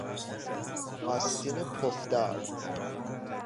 آستین پف دار